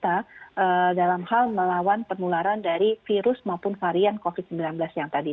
kita dalam hal melawan penularan dari virus maupun varian covid sembilan belas yang tadi